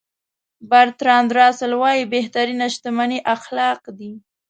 برتراند راسل وایي بهترینه شتمني اخلاق دي.